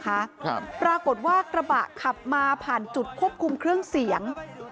ครับปรากฏว่ากระบะขับมาผ่านจุดควบคุมเครื่องเสียง